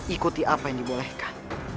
ikuti apa yang dibolehkan